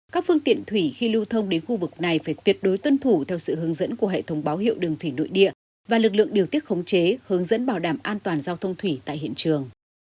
các phương tiện thủy khi lưu thông đến khu vực này phải tuyệt đối tuân thủ theo sự hướng dẫn của hệ thống báo hiệu đường thủy nội địa và lực lượng điều tiết khống chế hướng dẫn bảo đảm an toàn giao thông thủy tại hiện trường